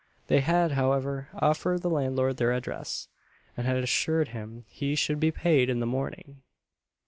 They had, however, offered the landlord their address, and had assured him he should be paid in the morning.